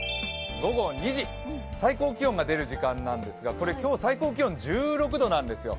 午後２時、最高気温が出る時間なんですが最高気温、１６度なんですよ。